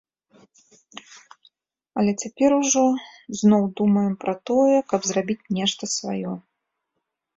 Але цяпер ужо зноў думаем пра тое, каб зрабіць нешта сваё.